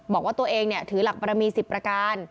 บอกว่าตัวเองเนี่ยถือหลักปรมีสิทธิ์ประการ